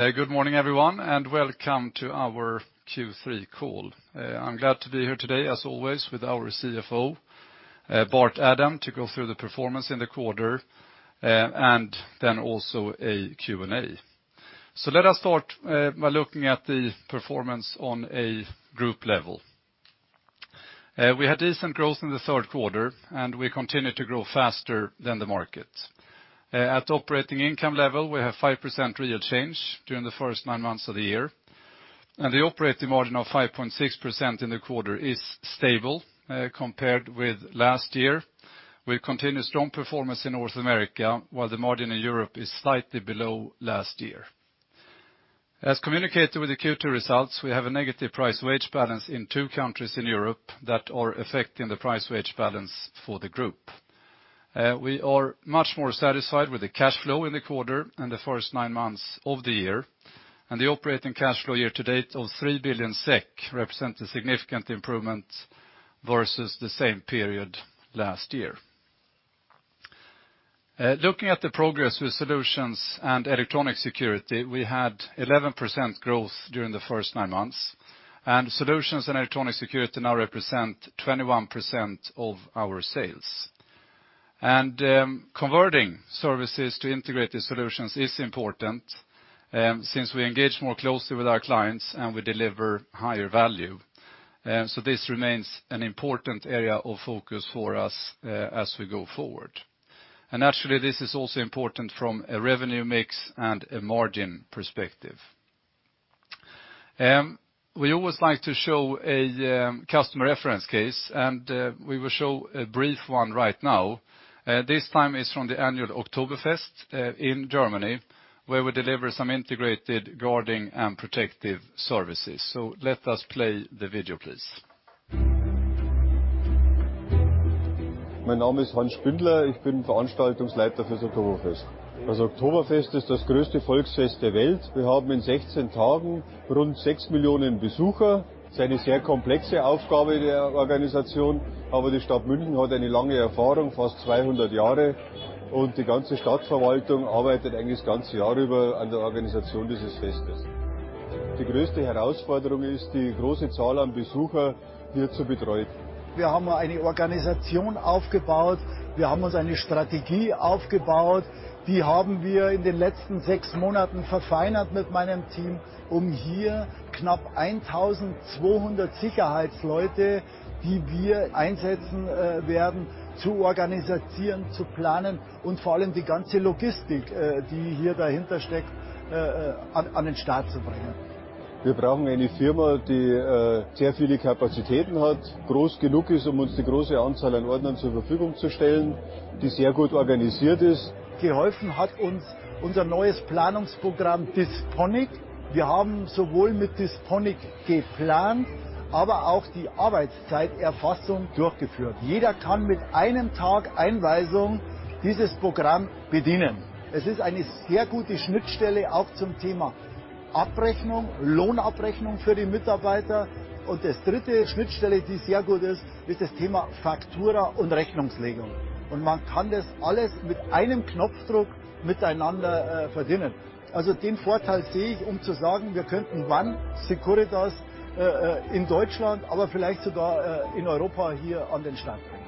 Good morning everyone, and welcome to our Q3 call. I'm glad to be here today, as always, with our CFO, Bart Adam, to go through the performance in the quarter, and then also a Q&A. Let us start by looking at the performance on a group level. We had decent growth in the third quarter, and we continue to grow faster than the market. At operating income level, we have 5% real change during the first nine months of the year, and the operating margin of 5.6% in the quarter is stable compared with last year. We continue strong performance in North America, while the margin in Europe is slightly below last year. As communicated with the Q2 results, we have a negative price-wage balance in two countries in Europe that are affecting the price-wage balance for the group. We are much more satisfied with the cash flow in the quarter and the first nine months of the year, and the operating cash flow year to date of 3 billion SEK represents a significant improvement versus the same period last year. Looking at the progress with Security Solutions and Electronic Security, we had 11% growth during the first nine months, and Security Solutions and Electronic Security now represent 21% of our sales. Converting services to integrated solutions is important, since we engage more closely with our clients and we deliver higher value. This remains an important area of focus for us as we go forward. Naturally, this is also important from a revenue mix and a margin perspective. We always like to show a customer reference case, and we will show a brief one right now. This time it's from the annual Oktoberfest in Germany, where we deliver some integrated guarding and protective services. Let us play the video, please. My name is Hans Spindler. I am the event manager for the Oktoberfest. The Oktoberfest is the largest folk festival in the world. We have around 6 million visitors in 16 days. It is a very complex task to organize, but the city of Munich has a long experience, almost 200 years, and the entire city administration actually works the whole year on the organization of this festival. The biggest challenge is taking care of the large number of visitors here. We have built an organization. We have built a strategy, which we have refined over the last six months with my team in order to organize and plan the nearly 1,200 security personnel that we will deploy here, and, above all, to get the entire logistics behind it up and running. We need a company that has a lot of capacity, is large enough to provide us with a large number of security guards, and is very well organized. Disponic, our new planning program, has helped us. We have not only planned with Disponic, but also carried out time recording. Anyone can operate this program with one day of instruction. It is a very good interface also for the subject of payroll accounting for the employees, and the third interface, which is very good, is the subject of invoicing and accounting. You can combine all of this with the press of a button. That's the advantage I see in saying that we could bring Securitas in Germany, but perhaps even in Europe, up and running here.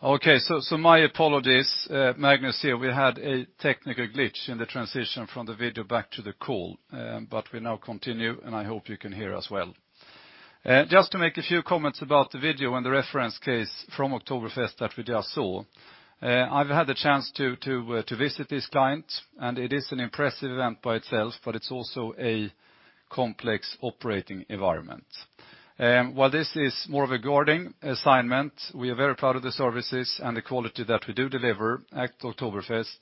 Okay. My apologies. Magnus here. We had a technical glitch in the transition from the video back to the call, but we now continue, and I hope you can hear us well. Just to make a few comments about the video and the reference case from Oktoberfest that we just saw. I've had the chance to visit this client, and it is an impressive event by itself, but it's also a complex operating environment. While this is more of a guarding assignment, we are very proud of the services and the quality that we do deliver at Oktoberfest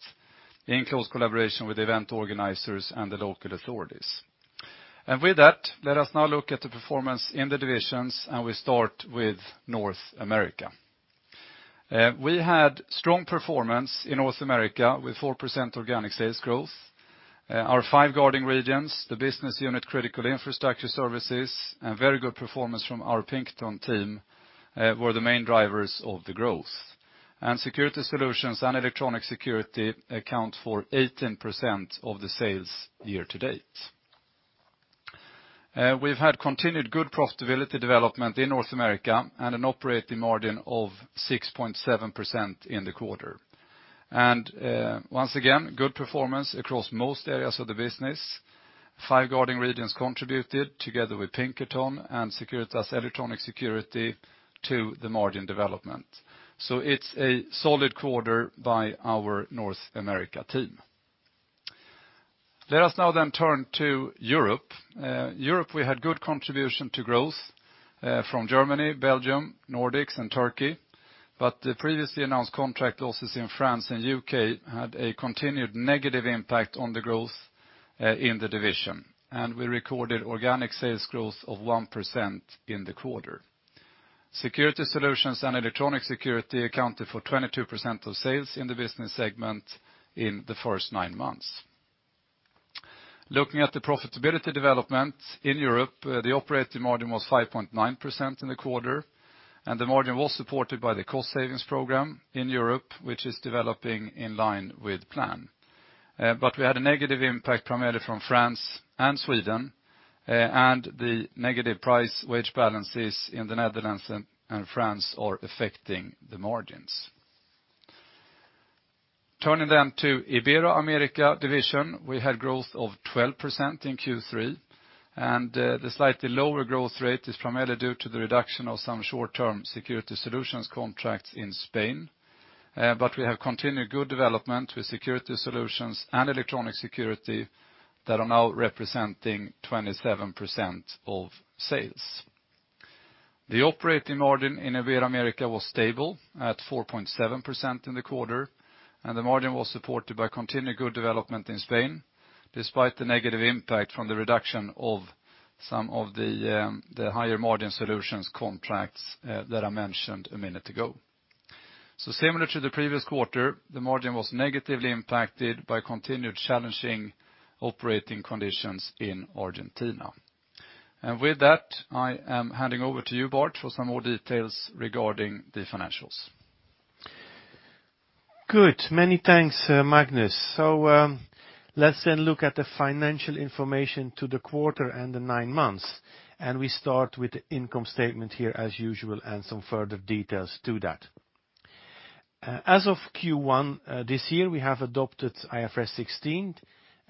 in close collaboration with event organizers and the local authorities. With that, let us now look at the performance in the divisions, and we start with North America. We had strong performance in North America with 4% organic sales growth. Our five guarding regions, the business unit Critical Infrastructure Services, and very good performance from our Pinkerton team were the main drivers of the growth. Security Solutions and Electronic Security account for 18% of the sales year to date. We've had continued good profitability development in North America and an operating margin of 6.7% in the quarter. Once again, good performance across most areas of the business. Five guarding regions contributed, together with Pinkerton and Securitas Electronic Security, to the margin development. It's a solid quarter by our North America team. Let us now turn to Europe. Europe, we had good contribution to growth from Germany, Belgium, Nordics, and Turkey. The previously announced contract losses in France and U.K. had a continued negative impact on the growth in the division, and we recorded organic sales growth of 1% in the quarter. Security Solutions and Electronic Security accounted for 22% of sales in the business segment in the first nine months. Looking at the profitability development in Europe, the operating margin was 5.9% in the quarter. The margin was supported by the cost savings program in Europe, which is developing in line with plan. We had a negative impact primarily from France and Sweden. The negative price wage balances in the Netherlands and France are affecting the margins. Turning to Iberoamerica division, we had growth of 12% in Q3. The slightly lower growth rate is primarily due to the reduction of some short-term Security Solutions contracts in Spain. We have continued good development with Security Solutions and Electronic Security that are now representing 27% of sales. The operating margin in Iberoamerica was stable at 4.7% in the quarter. The margin was supported by continued good development in Spain, despite the negative impact from the reduction of some of the higher margin solutions contracts that I mentioned a minute ago. Similar to the previous quarter, the margin was negatively impacted by continued challenging operating conditions in Argentina. With that, I am handing over to you, Bart, for some more details regarding the financials. Good. Many thanks, Magnus. Let's then look at the financial information to the quarter and the nine months, and we start with the income statement here as usual and some further details to that. As of Q1 this year, we have adopted IFRS 16,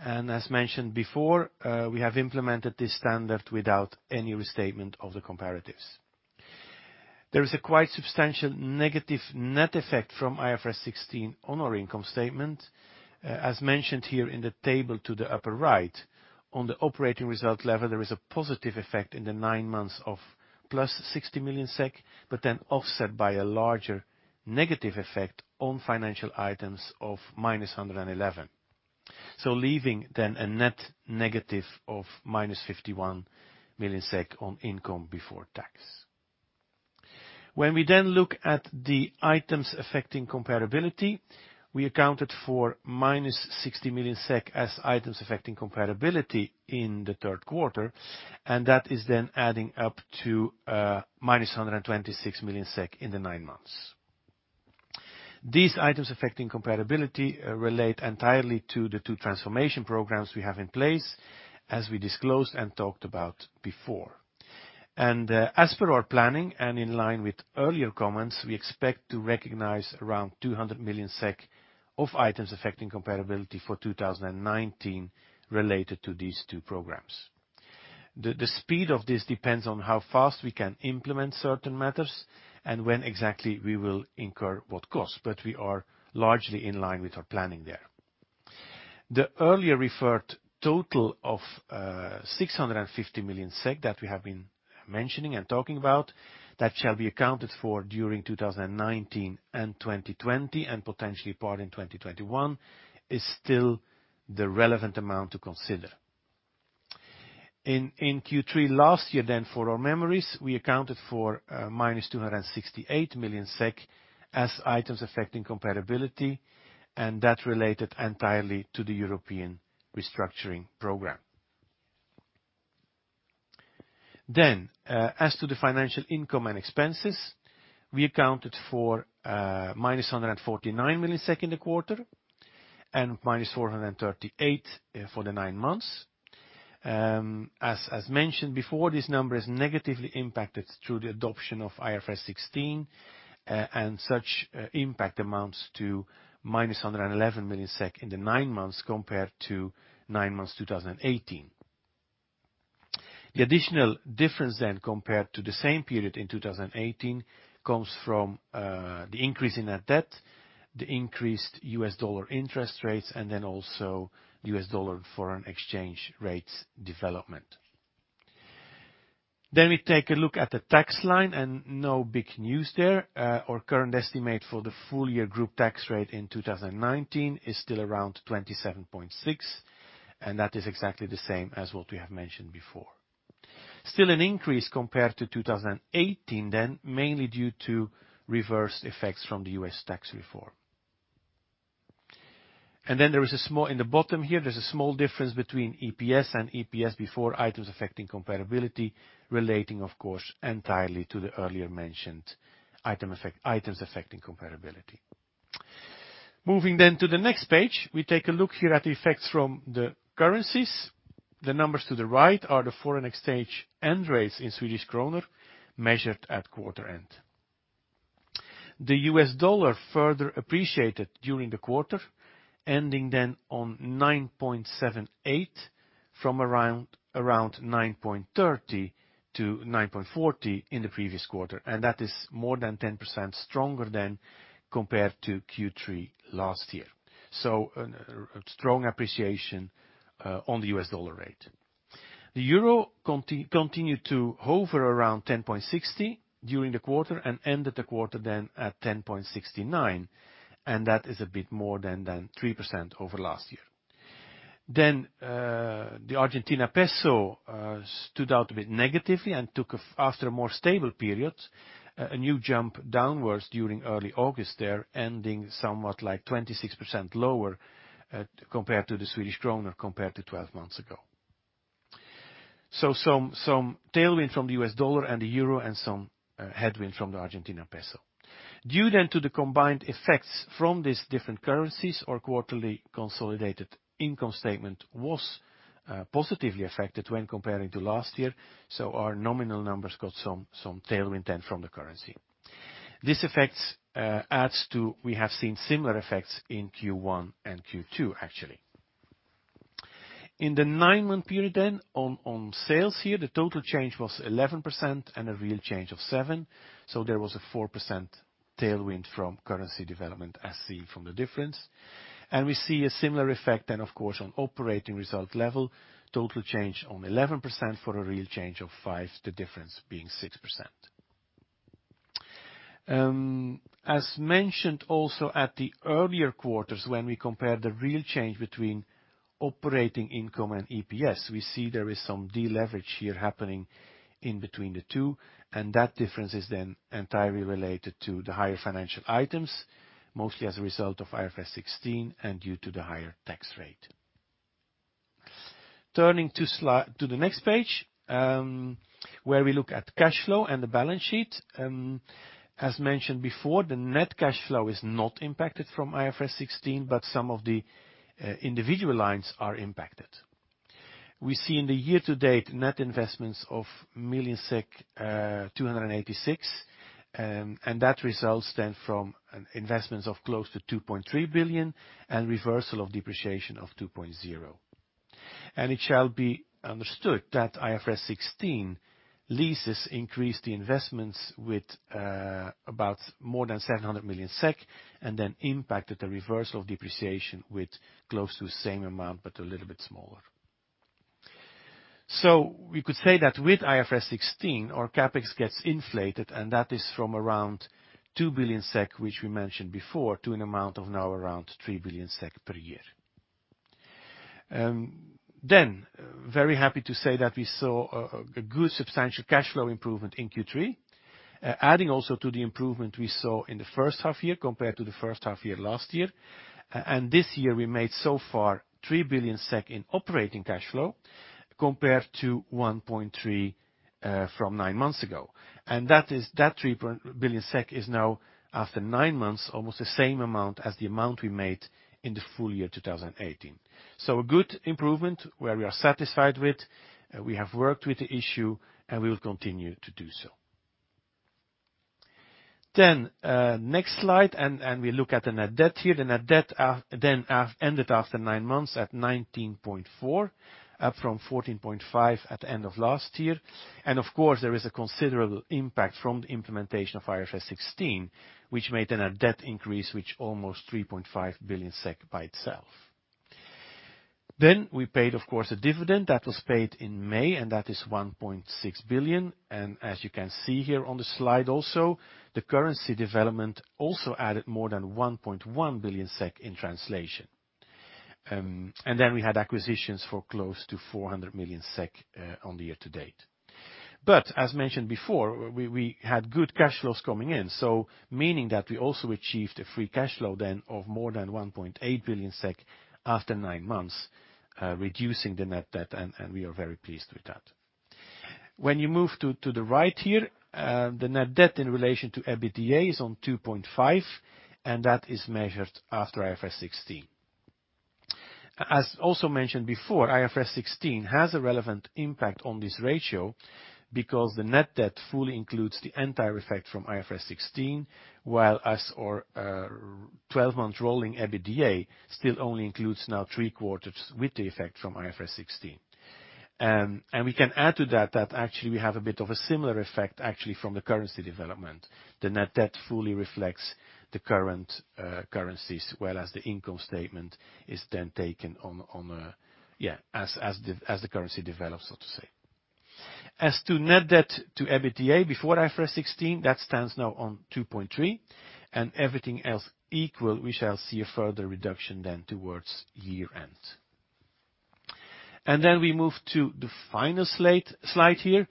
and as mentioned before, we have implemented this standard without any restatement of the comparatives. There is a quite substantial negative net effect from IFRS 16 on our income statement. As mentioned here in the table to the upper right, on the operating result level, there is a positive effect in the nine months of +60 million SEK, but then offset by a larger negative effect on financial items of -111. Leaving then a net negative of -51 million SEK on income before tax. When we look at the items affecting comparability, we accounted for minus 60 million SEK as items affecting comparability in the third quarter, and that is then adding up to minus 126 million SEK in the nine months. These items affecting comparability relate entirely to the two transformation programs we have in place, as we disclosed and talked about before. As per our planning and in line with earlier comments, we expect to recognize around 200 million SEK of items affecting comparability for 2019 related to these two programs. The speed of this depends on how fast we can implement certain matters and when exactly we will incur what cost. We are largely in line with our planning there. The earlier referred total of 650 million SEK that we have been mentioning and talking about, that shall be accounted for during 2019 and 2020, and potentially part in 2021, is still the relevant amount to consider. In Q3 last year then for our memories, we accounted for minus 268 million SEK as items affecting comparability, and that related entirely to the European restructuring program. As to the financial income and expenses, we accounted for minus 149 million in the second quarter, and minus 438 for the nine months. As mentioned before, this number is negatively impacted through the adoption of IFRS 16, and such impact amounts to minus 111 million SEK in the nine months compared to nine months 2018. The additional difference compared to the same period in 2018 comes from the increase in our debt, the increased U.S. dollar interest rates, and also U.S. dollar foreign exchange rates development. We take a look at the tax line, no big news there. Our current estimate for the full year group tax rate in 2019 is still around 27.6%, that is exactly the same as what we have mentioned before. Still an increase compared to 2018 then, mainly due to reverse effects from the U.S. tax reform. In the bottom here, there's a small difference between EPS and EPS before items affecting comparability, relating of course, entirely to the earlier mentioned items affecting comparability. Moving to the next page, we take a look here at the effects from the currencies. The numbers to the right are the foreign exchange end rates in Swedish krona, measured at quarter end. The US dollar further appreciated during the quarter, ending then on $9.78 from around $9.30 to $9.40 in the previous quarter, and that is more than 10% stronger than compared to Q3 last year. A strong appreciation on the US dollar rate. The euro continued to hover around 10.60 during the quarter and ended the quarter then at 10.69, and that is a bit more than 3% over last year. The Argentine peso stood out a bit negatively and took, after a more stable period, a new jump downwards during early August there, ending somewhat like 26% lower compared to the Swedish krona compared to 12 months ago. Some tailwind from the US dollar and the euro and some headwind from the Argentine peso. Due to the combined effects from these different currencies, our quarterly consolidated income statement was positively affected when comparing to last year. Our nominal numbers got some tailwind then from the currency. We have seen similar effects in Q1 and Q2, actually. In the nine-month period, on sales here, the total change was 11% and a real change of 7%. There was a 4% tailwind from currency development as seen from the difference. We see a similar effect then of course on operating result level, total change on 11% for a real change of 5%, the difference being 6%. As mentioned also at the earlier quarters when we compare the real change between operating income and EPS, we see there is some deleverage here happening in between the two. That difference is then entirely related to the higher financial items, mostly as a result of IFRS 16 and due to the higher tax rate. Turning to the next page, where we look at cash flow and the balance sheet. As mentioned before, the net cash flow is not impacted from IFRS 16, but some of the individual lines are impacted. We see in the year to date net investments of 286 million SEK. That results then from investments of close to 2.3 billion and reversal of depreciation of 2.0. It shall be understood that IFRS 16 leases increased the investments with about more than 700 million SEK and then impacted the reversal of depreciation with close to the same amount, but a little bit smaller. We could say that with IFRS 16, our CapEx gets inflated and that is from around 2 billion SEK, which we mentioned before, to an amount of now around 3 billion SEK per year. Very happy to say that we saw a good substantial cash flow improvement in Q3, adding also to the improvement we saw in the first half year compared to the first half year last year. This year, we made so far 3 billion SEK in operating cash flow compared to 1.3 billion from nine months ago. That 3 billion SEK is now, after nine months, almost the same amount as the amount we made in the full year 2018. A good improvement where we are satisfied with. We have worked with the issue and we will continue to do so. Next slide, we look at the net debt here. The net debt then ended after nine months at 19.4, up from 14.5 at the end of last year. Of course, there is a considerable impact from the implementation of IFRS 16, which made the net debt increase which almost 3.5 billion SEK by itself. We paid, of course, a dividend that was paid in May, that is 1.6 billion. As you can see here on the slide also, the currency development also added more than 1.1 billion SEK in translation. We had acquisitions for close to 400 million SEK on the year to date. As mentioned before, we had good cash flows coming in, meaning that we also achieved a free cash flow then of more than 1.8 billion SEK after nine months, reducing the net debt, and we are very pleased with that. When you move to the right here, the net debt in relation to EBITDA is on 2.5, and that is measured after IFRS 16. As also mentioned before, IFRS 16 has a relevant impact on this ratio because the net debt fully includes the entire effect from IFRS 16, while as our 12-month rolling EBITDA still only includes now three quarters with the effect from IFRS 16. We can add to that actually we have a bit of a similar effect actually from the currency development. The net debt fully reflects the current currencies, as well as the income statement is then taken as the currency develops, so to say. Net debt to EBITDA before IFRS 16, that stands now on 2.3, everything else equal, we shall see a further reduction then towards year-end. We move to the final slide here,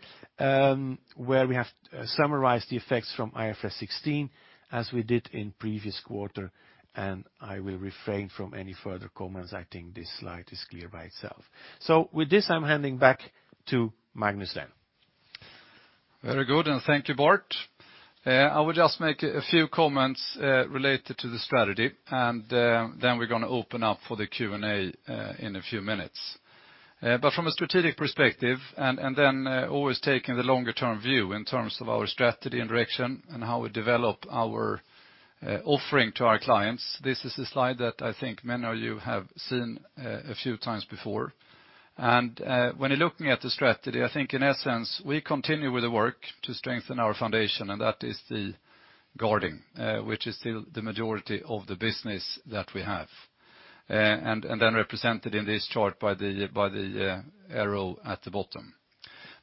where we have summarized the effects from IFRS 16 as we did in previous quarter, I will refrain from any further comments. I think this slide is clear by itself. With this, I'm handing back to Magnus then. Very good, thank you, Bart. I will just make a few comments related to the strategy, then we're going to open up for the Q&A in a few minutes. From a strategic perspective, then always taking the longer term view in terms of our strategy and direction and how we develop our offering to our clients. This is a slide that I think many of you have seen a few times before. When you're looking at the strategy, I think in essence, we continue with the work to strengthen our foundation, that is the guarding, which is still the majority of the business that we have, then represented in this chart by the arrow at the bottom.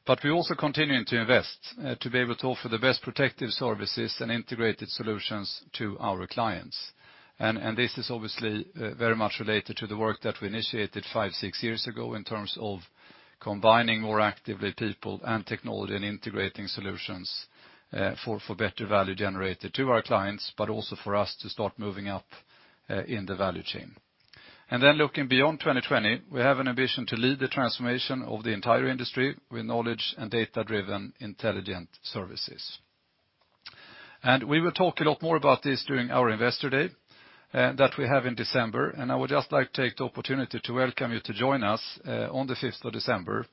We're also continuing to invest to be able to offer the best protective services and integrated solutions to our clients. This is obviously very much related to the work that we initiated five, six years ago in terms of combining more actively people and technology and integrating solutions for better value generated to our clients, but also for us to start moving up in the value chain. Looking beyond 2020, we have an ambition to lead the transformation of the entire industry with knowledge and data-driven intelligent services. We will talk a lot more about this during our Investor Day that we have in December, I would just like to take the opportunity to welcome you to join us on the 5th of December,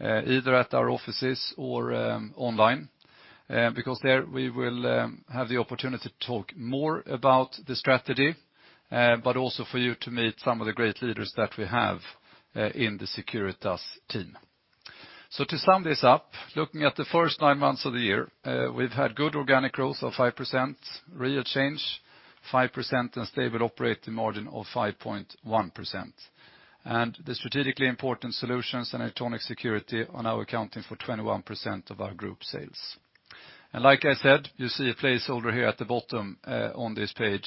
either at our offices or online, because there we will have the opportunity to talk more about the strategy, but also for you to meet some of the great leaders that we have in the Securitas team. To sum this up, looking at the first nine months of the year, we've had good organic growth of 5%, real change 5%, and stable operating margin of 5.1%. The strategically important Security Solutions and Electronic Security are now accounting for 21% of our group sales. Like I said, you see a placeholder here at the bottom on this page.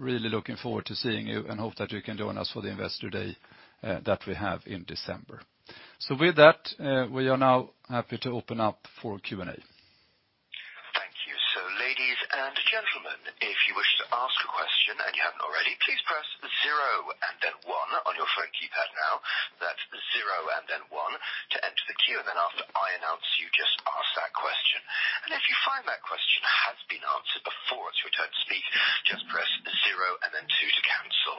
Really looking forward to seeing you and hope that you can join us for the Investor Day that we have in December. With that, we are now happy to open up for Q&A. Thank you. Ladies and gentlemen, if you wish to ask a question and you haven't already, please press zero and then one on your phone keypad now. That's zero and then one to enter the queue, and then after I announce you, just ask that question. If you find that question has been answered before it's your turn to speak, just press zero and then two to cancel.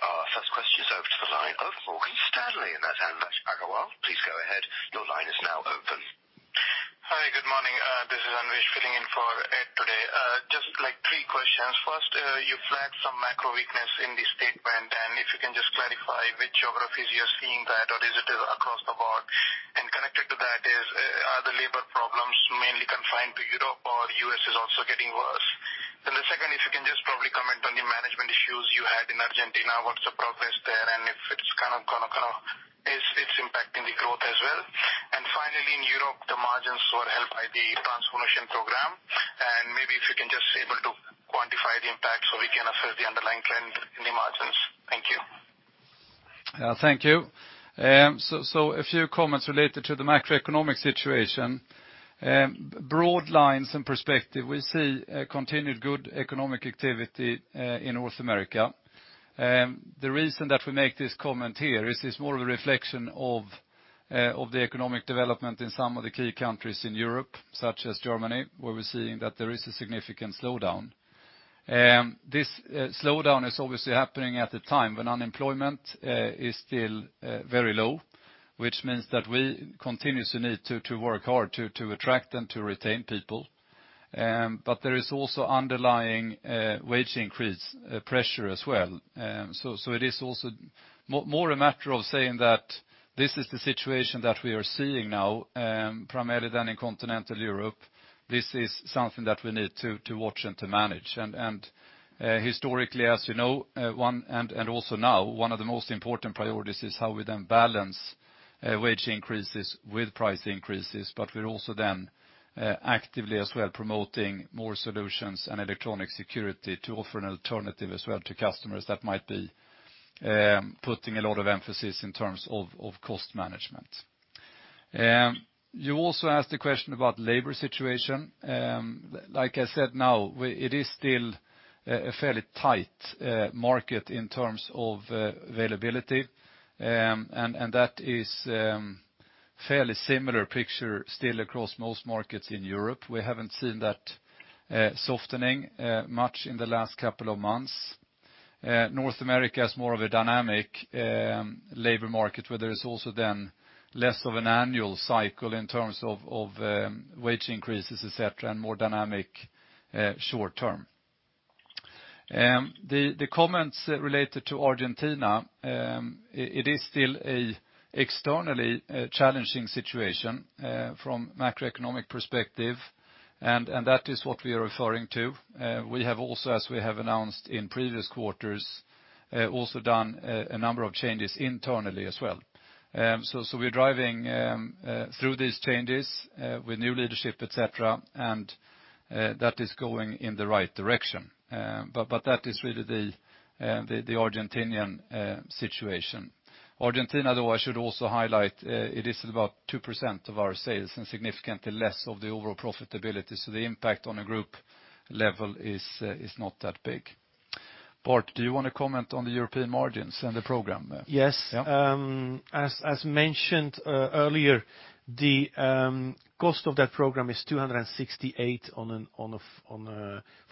Our first question is over to the line of Morgan Stanley, and that's Anvesh Agrawal. Please go ahead. Your line is now open. Hi, good morning. This is Anvesh filling in for Ed today. Just three questions. First, you flagged some macro weakness in the statement, if you can just clarify which geographies you're seeing that, or is it across the board? Connected to that is, are the labor problems mainly confined to Europe, or the U.S. is also getting worse? The second, if you can just probably comment on the management issues you had in Argentina, what's the progress there, and if it's impacting the growth as well? Finally, in Europe, the margins were helped by the transformation program, and maybe if you can just be able to quantify the impact so we can assess the underlying trend in the margins. Thank you. Yeah, thank you. A few comments related to the macroeconomic situation. Broad lines and perspective, we see continued good economic activity in North America. The reason that we make this comment here is it's more of a reflection of the economic development in some of the key countries in Europe, such as Germany, where we're seeing that there is a significant slowdown. This slowdown is obviously happening at the time when unemployment is still very low, which means that we continuously need to work hard to attract and to retain people. There is also underlying wage increase pressure as well. It is also more a matter of saying that. This is the situation that we are seeing now, primarily then in Continental Europe. This is something that we need to watch and to manage. Historically, as you know, and also now, one of the most important priorities is how we then balance wage increases with price increases. We're also then actively as well promoting more solutions and Electronic Security to offer an alternative as well to customers that might be putting a lot of emphasis in terms of cost management. You also asked a question about labor situation. Like I said, now it is still a fairly tight market in terms of availability, and that is a fairly similar picture still across most markets in Europe. We haven't seen that softening much in the last couple of months. North America is more of a dynamic labor market, where there is also then less of an annual cycle in terms of wage increases, et cetera, and more dynamic short term. The comments related to Argentina, it is still a externally challenging situation from macroeconomic perspective. That is what we are referring to. We have also, as we have announced in previous quarters, also done a number of changes internally as well. We're driving through these changes with new leadership, et cetera. That is going in the right direction. That is really the Argentinian situation. Argentina, though, I should also highlight, it is about 2% of our sales and significantly less of the overall profitability. The impact on a group level is not that big. Bart, do you want to comment on the European margins and the program? Yes. Yeah. As mentioned earlier, the cost of that program is 268 for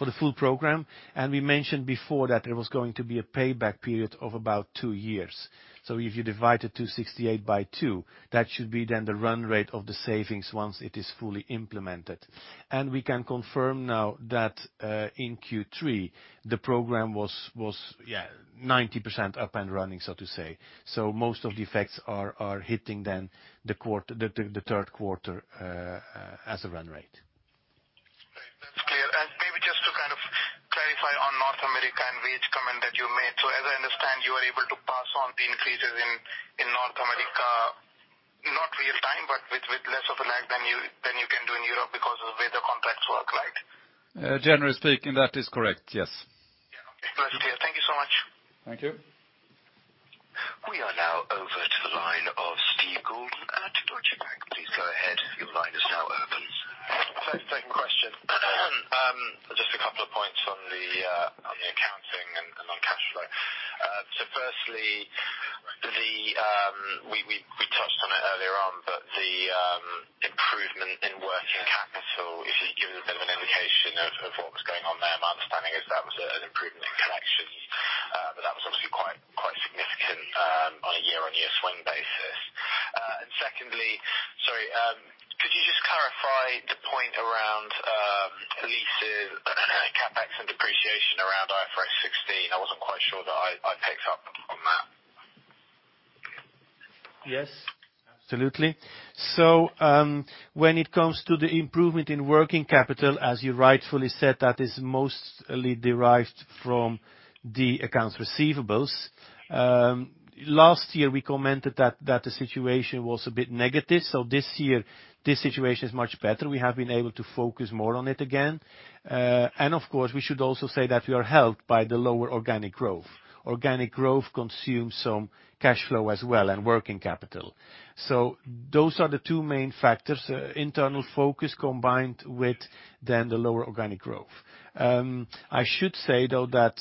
the full program, and we mentioned before that there was going to be a payback period of about two years. If you divided 268 by two, that should be then the run rate of the savings once it is fully implemented. We can confirm now that in Q3, the program was 90% up and running, so to say. Most of the effects are hitting then the third quarter as a run rate. Great. That's clear. Maybe just to clarify on North America and wage comment that you made. As I understand, you are able to pass on the increases in North America, not real time, but with less of a lag than you can do in Europe because of the way the contracts work, right? Generally speaking, that is correct, yes. Yeah. That's clear. Thank you so much. Thank you. We are now over to the line of Steven Goulden at Deutsche Bank. Please go ahead. Your line is now open. Second question. Just a couple of points on the accounting and on cash flow. Firstly, we touched on it earlier on, but the improvement in working capital, if you could give us a bit of an indication of what was going on there. My understanding is that was an improvement in collections, but that was obviously quite significant on a year-on-year swing basis. Secondly, sorry, could you just clarify the point around leases, CapEx, and depreciation around IFRS 16? I wasn't quite sure that I picked up on that. Yes, absolutely. When it comes to the improvement in working capital, as you rightfully said, that is mostly derived from the accounts receivables. Last year, we commented that the situation was a bit negative. This year, this situation is much better. We have been able to focus more on it again. Of course, we should also say that we are helped by the lower organic growth. Organic growth consumes some cash flow as well, and working capital. Those are the two main factors. Internal focus combined with then the lower organic growth. I should say, though, that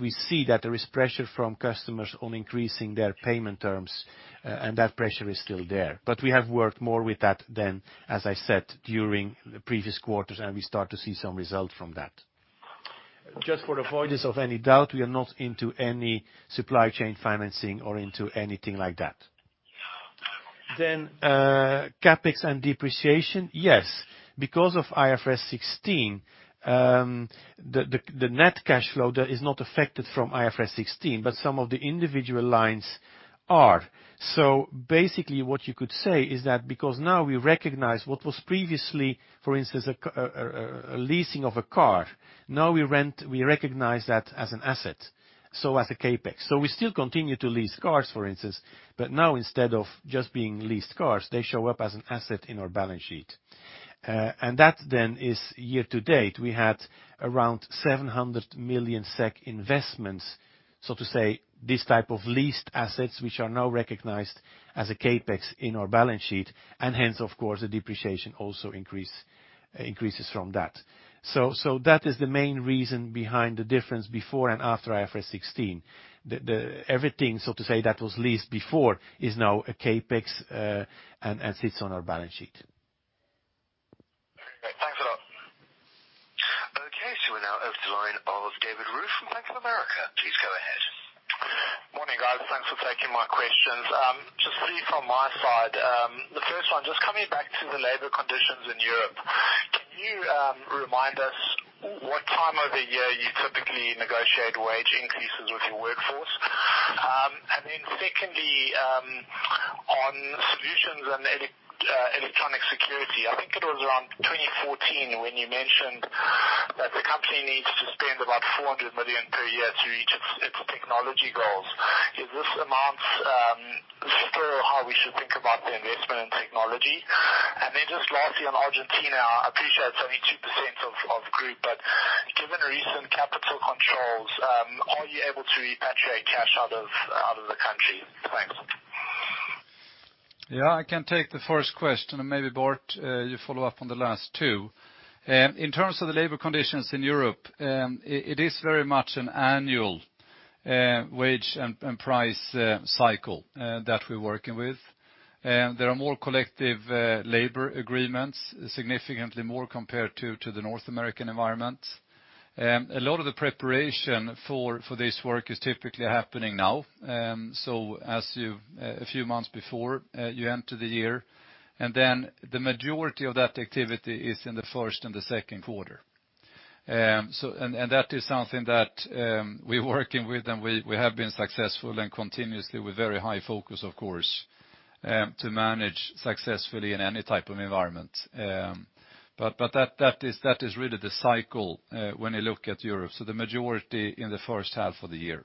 we see that there is pressure from customers on increasing their payment terms, and that pressure is still there. We have worked more with that than, as I said, during the previous quarters, and we start to see some results from that. Just for the avoidance of any doubt, we are not into any supply chain financing or into anything like that. Yeah. CapEx and depreciation. Yes. Because of IFRS 16, the net cash flow there is not affected from IFRS 16, but some of the individual lines are. Basically, what you could say is that because now we recognize what was previously, for instance, a leasing of a car, now we recognize that as an asset, as a CapEx. We still continue to lease cars, for instance, but now instead of just being leased cars, they show up as an asset in our balance sheet. That then is year to date. We had around 700 million SEK investments. To say, this type of leased assets, which are now recognized as a CapEx in our balance sheet, and hence, of course, the depreciation also increases from that. That is the main reason behind the difference before and after IFRS 16. Everything, so to say, that was leased before is now a CapEx, and sits on our balance sheet. Great. Thanks a lot. Okay, we're now over to the line of David Roux from Bank of America. Please go ahead. Morning, guys. Thanks for taking my questions. From my side, the first one, just coming back to the labor conditions in Europe, can you remind us what time of the year you typically negotiate wage increases with your workforce? Secondly, on Security Solutions and Electronic Security, I think it was around 2014 when you mentioned that the company needs to spend about 400 million per year to reach its technology goals. Is this amount still how we should think about the investment in technology? Lastly, on Argentina, I appreciate it's only 2% of group, but given recent capital controls, are you able to repatriate cash out of the country? Thanks. Yeah, I can take the first question, and maybe Bart, you follow up on the last two. In terms of the labor conditions in Europe, it is very much an annual wage and price cycle that we're working with. There are more collective labor agreements, significantly more compared to the North American environment. A lot of the preparation for this work is typically happening now. A few months before you enter the year, and then the majority of that activity is in the first and the second quarter. That is something that we're working with, and we have been successful and continuously with very high focus, of course, to manage successfully in any type of environment. That is really the cycle when you look at Europe. The majority in the first half of the year.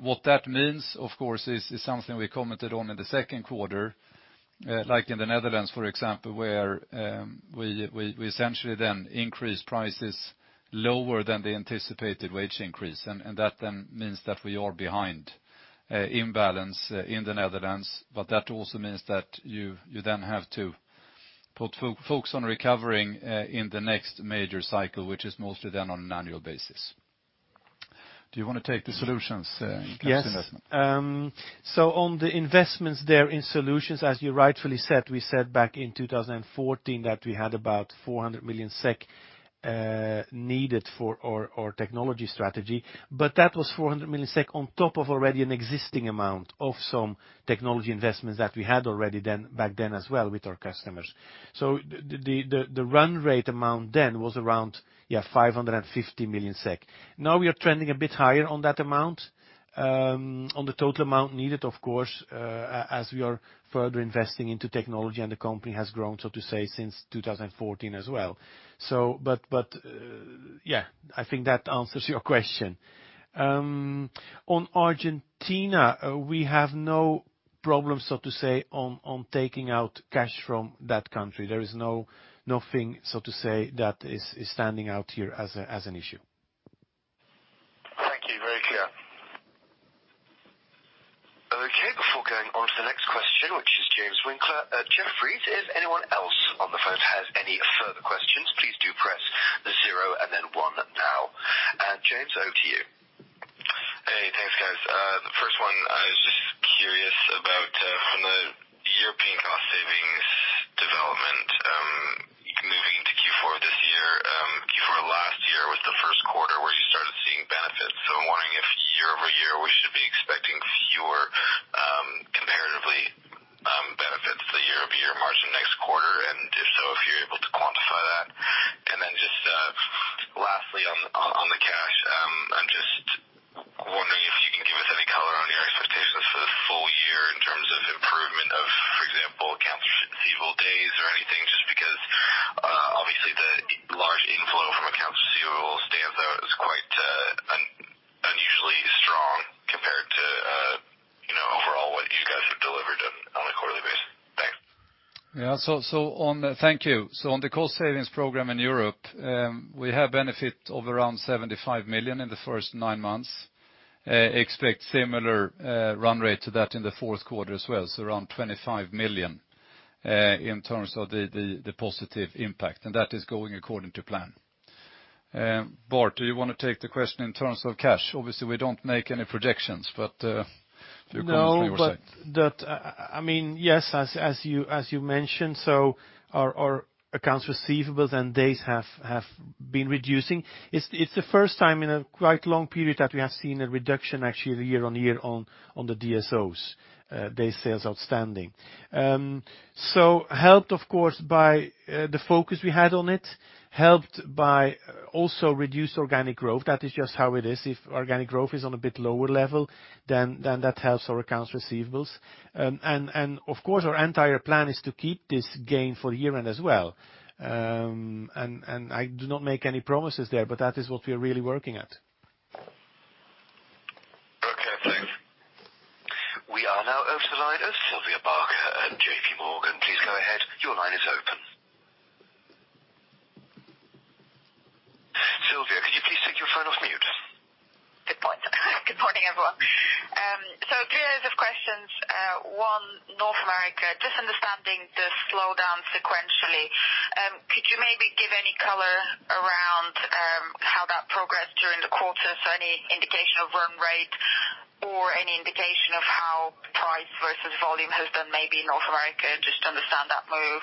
What that means, of course, is something we commented on in the second quarter, like in the Netherlands, for example, where we essentially then increased prices lower than the anticipated wage increase. That then means that we are behind in balance in the Netherlands, but that also means that you then have to put focus on recovering in the next major cycle, which is mostly done on an annual basis. Do you want to take the solutions in customer? Yes. On the investments there in solutions, as you rightfully said, we said back in 2014 that we had about 400 million SEK needed for our technology strategy. That was 400 million SEK on top of already an existing amount of some technology investments that we had already back then as well with our customers. The run rate amount then was around 550 million SEK. Now we are trending a bit higher on that amount, on the total amount needed, of course, as we are further investing into technology and the company has grown, so to say, since 2014 as well. I think that answers your question. On Argentina, we have no problems, so to say, on taking out cash from that country. There is nothing, so to say, that is standing out here as an issue. Thank you. Very clear. Okay, before going on to the next question, which is James Winckler at Jefferies, if anyone else on the phone has any further questions, please do press zero and then one now. James, over to you. Hey, thanks, guys. The first one I was just curious about from the European cost savings development, moving into Q4 of this year. Q4 of last year was the first quarter where you started seeing benefits. I'm wondering if year-over-year, we should be expecting fewer comparatively benefits the year-over-year margin next quarter, and if so, if you're able to quantify that? Then just lastly on the cash, I'm just wondering if you can give us any color on your expectations for the full year in terms of improvement of, for example, accounts receivable days or anything, just because obviously the large inflow from accounts receivable stands out as quite unusually strong compared to overall what you guys have delivered on a quarterly basis. Thanks. Thank you. On the cost savings program in Europe, we have benefit of around 75 million in the first nine months. Expect similar run rate to that in the fourth quarter as well. Around 25 million, in terms of the positive impact. That is going according to plan. Bart, do you want to take the question in terms of cash? Obviously, we don't make any projections, but feel free to say. As you mentioned, our accounts receivables and days have been reducing. It's the first time in a quite long period that we have seen a reduction actually year-on-year on the DSOs, day sales outstanding. Helped, of course, by the focus we had on it, helped by also reduced organic growth. That is just how it is. If organic growth is on a bit lower level, that helps our accounts receivables. Of course, our entire plan is to keep this gain for year-end as well. I do not make any promises there, but that is what we are really working at. Okay, thanks. We are now over to the line of Sylvia Barker at JPMorgan. Please go ahead. Your line is open. Sylvia, could you please take your phone off mute? Good point. Good morning, everyone. Three areas of questions. One, North America, just understanding the slowdown sequentially. Could you maybe give any color around how that progressed during the quarter? Any indication of run rate or any indication of how price versus volume has done maybe in North America, just to understand that move.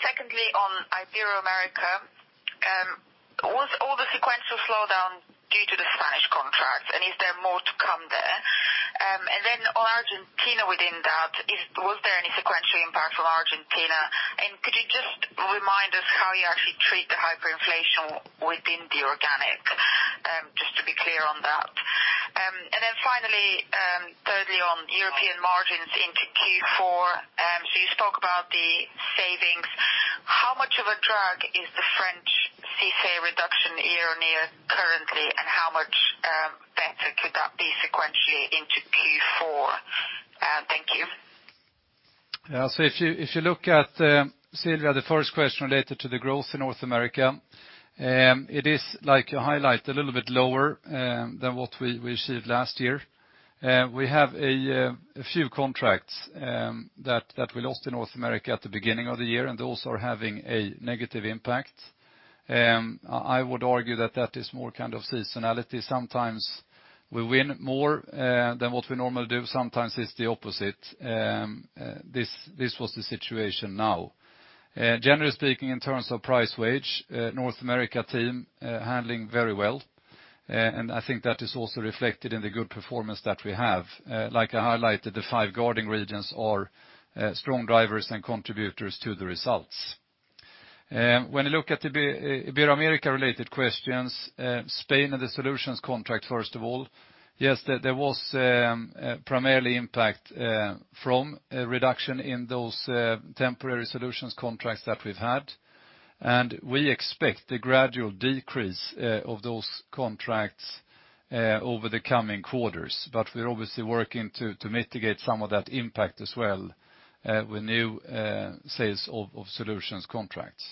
Secondly, on Ibero-America, was all the sequential slowdown Contracts, and is there more to come there? Then on Argentina within that, was there any sequential impact from Argentina? Could you just remind us how you actually treat the hyperinflation within the organic, just to be clear on that. Then finally, thirdly, on European margins into Q4, you spoke about the savings. How much of a drag is the French CICE reduction year-on-year currently, and how much better could that be sequentially into Q4? Thank you. Yeah. Sylvia, the first question related to the growth in North America. It is, like you highlight, a little bit lower than what we achieved last year. We have a few contracts that we lost in North America at the beginning of the year, and those are having a negative impact. I would argue that that is more kind of seasonality. Sometimes we win more than what we normally do. Sometimes it's the opposite. This was the situation now. Generally speaking, in terms of price wage, North America team handling very well. I think that is also reflected in the good performance that we have. Like I highlighted, the five guarding regions are strong drivers and contributors to the results. When you look at the Ibero-America related questions, Spain and the solutions contract, first of all. Yes, there was primarily impact from a reduction in those temporary solutions contracts that we've had. We expect a gradual decrease of those contracts over the coming quarters. We're obviously working to mitigate some of that impact as well with new sales of solutions contracts.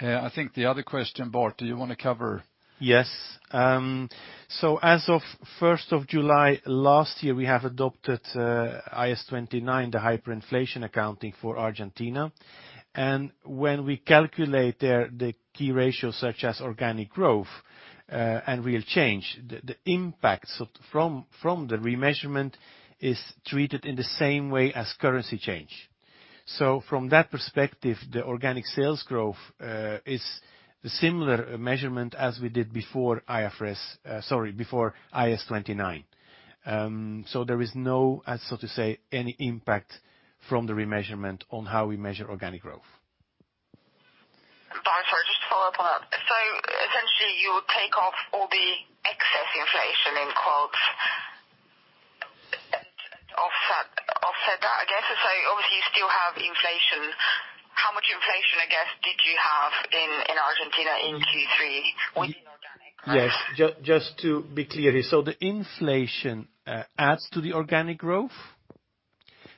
I think the other question, Bart, do you want to cover? Yes. As of 1st of July last year, we have adopted IAS 29, the hyperinflation accounting for Argentina. When we calculate the key ratios such as organic growth, and real change, the impacts from the remeasurement is treated in the same way as currency change. From that perspective, the organic sales growth is a similar measurement as we did before IFRS-- sorry, before IAS 29. There is no, so to say, any impact from the remeasurement on how we measure organic growth. Bart, sorry, just to follow up on that. Essentially, you take off all the excess inflation in quotes, and offset that, I guess. Obviously you still have inflation. How much inflation, I guess, did you have in Argentina in Q3 within organic? Yes. Just to be clear. The inflation adds to the organic growth,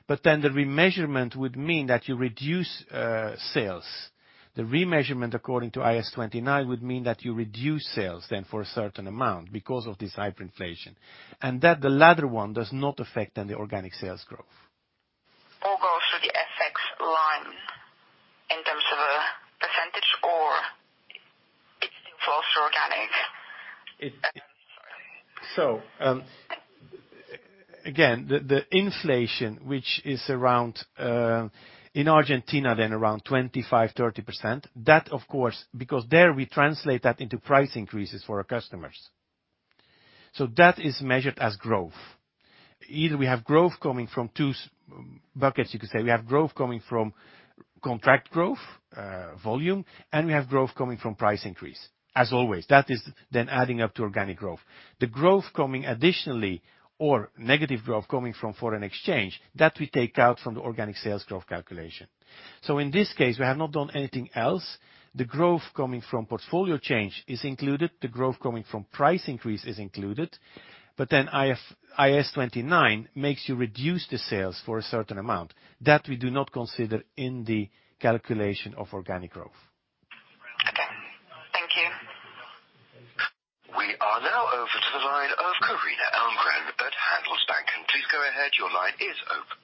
the remeasurement would mean that you reduce sales. The remeasurement according to IAS 29 would mean that you reduce sales then for a certain amount because of this hyperinflation. That the latter one does not affect any organic sales growth. All goes through the FX line in terms of a percentage, or it's still also organic? Again, the inflation, which is around, in Argentina then, around 25%, 30%, that of course, because there we translate that into price increases for our customers. Either we have growth coming from two buckets, you could say. We have growth coming from contract growth, volume, and we have growth coming from price increase. As always. That is then adding up to organic growth. The growth coming additionally or negative growth coming from foreign exchange, that we take out from the organic sales growth calculation. In this case, we have not done anything else. The growth coming from portfolio change is included, the growth coming from price increase is included, IAS 29 makes you reduce the sales for a certain amount. That we do not consider in the calculation of organic growth. Okay. Thank you. We are now over to the line of Carina Elmgren at Handelsbanken. Please go ahead. Your line is open.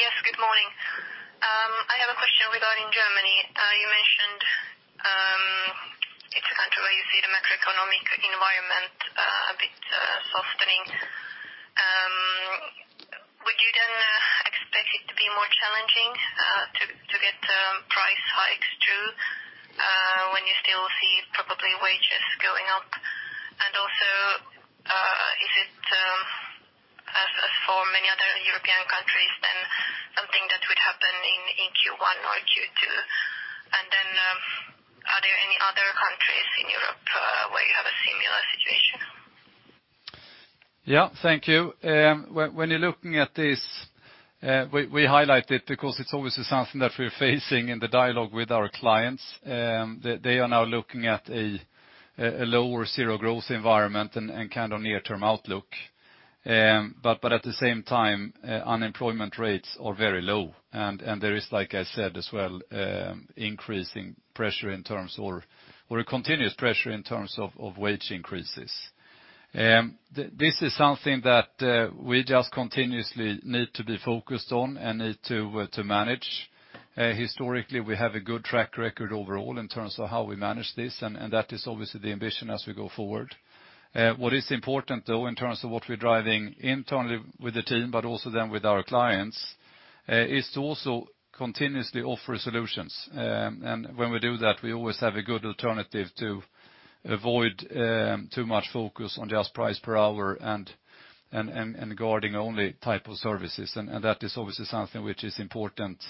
Yes, good morning. I have a question regarding Germany. You mentioned it's a country where you see the macroeconomic environment a bit softening. Would you expect it to be more challenging to get price hikes through when you still see probably wages going up? Is it, as for many other European countries then, something that would happen in Q1 or Q2? Are there any other countries in Europe where you have a similar situation? Yeah, thank you. When you're looking at this, we highlight it because it's obviously something that we're facing in the dialogue with our clients. They are now looking at a low or zero-growth environment and kind of near-term outlook. At the same time, unemployment rates are very low. There is, like I said as well, increasing pressure in terms or a continuous pressure in terms of wage increases. This is something that we just continuously need to be focused on and need to manage. Historically, we have a good track record overall in terms of how we manage this, and that is obviously the ambition as we go forward. What is important though, in terms of what we're driving internally with the team, but also then with our clients, is to also continuously offer solutions. When we do that, we always have a good alternative to avoid too much focus on just price per hour and guarding only type of services. That is obviously something which is important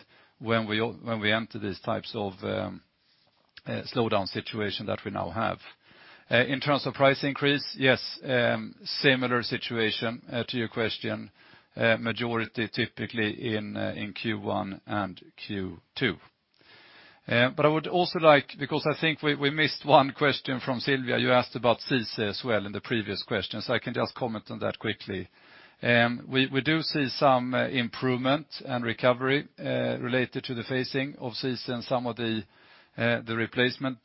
when we enter these types of slowdown situation that we now have. In terms of price increase, yes, similar situation to your question. Majority typically in Q1 and Q2. I would also like, because I think we missed one question from Sylvia, you asked about CICE as well in the previous question, so I can just comment on that quickly. We do see some improvement and recovery related to the phasing of CICE and some of the replacement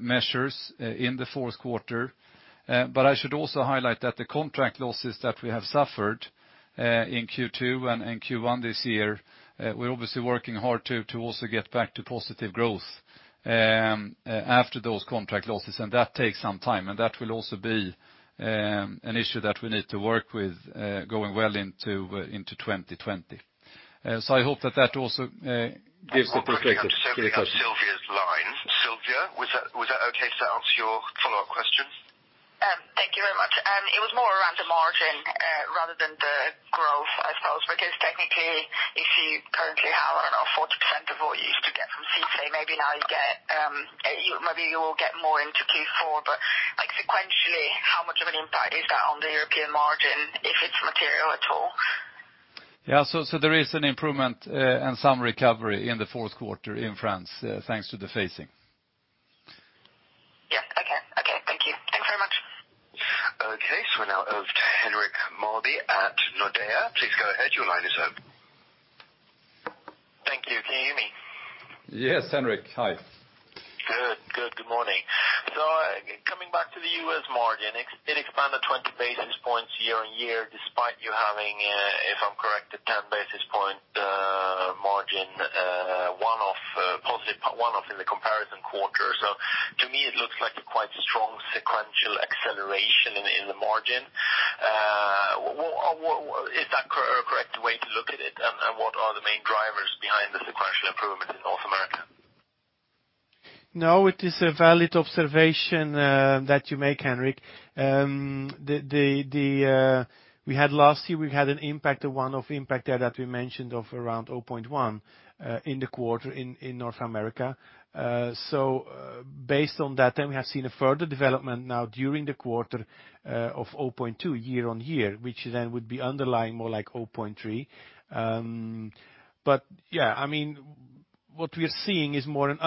measures in the fourth quarter. I should also highlight that the contract losses that we have suffered in Q2 and Q1 this year, we're obviously working hard to also get back to positive growth after those contract losses, and that takes some time. That will also be an issue that we need to work with going well into 2020. I hope that that also gives the perspective. I'm sorry, because Sylvia's line. Sylvia, was that okay to answer your follow-up questions? Thank you very much. It was more around the margin rather than the growth, I suppose, because technically, if you currently have around 40% of what you used to get from CICE, maybe you will get more into Q4. Sequentially, how much of an impact is that on the European margin, if it's material at all? Yeah. There is an improvement and some recovery in the fourth quarter in France, thanks to the phasing. Yeah. Okay. Thank you. Thanks very much. Okay. We're now over to Henrik Mawby at Nordea. Please go ahead. Your line is open. Thank you. Can you hear me? Yes, Henrik. Hi. Good morning. Coming back to the U.S. margin, it expanded 20 basis points year-on-year despite you having, if I'm correct, a 10-basis point margin positive one-off in the comparison quarter. To me, it looks like a quite strong sequential acceleration in the margin. Is that a correct way to look at it? What are the main drivers behind the sequential improvement in North America? It is a valid observation that you make, Henrik. Last year, we had an impact, a one-off impact there that we mentioned of around 0.1 in the quarter in North America. Based on that, we have seen a further development now during the quarter of 0.2 year-on-year, which then would be underlying more like 0.3. What we are seeing is more an